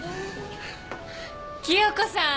清子さん！